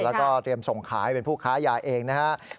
แล้วก็เตรียมส่งขายเป็นผู้ค้ายาเองนะครับ